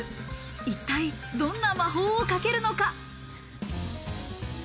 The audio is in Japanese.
一体、どんな魔法をかけるのか。